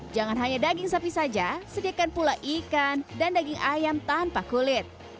jangan hanya daging sapi saja sediakan pula ikan dan daging ayam tanpa kulit